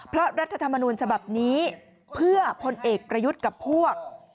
เพราะรัฐธรรมนูญฉบับนี้เพื่อพลเอกประยุทธ์กับพวก